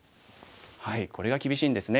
これが厳しいんですね。